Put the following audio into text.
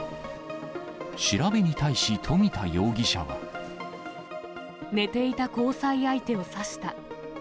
調べに対し、寝ていた交際相手を刺した。